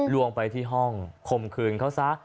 วงไปที่ห้องคมคืนเขาซะ